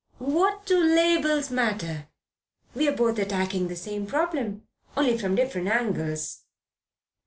"What do labels matter? We're both attacking the same problem, only from different angles."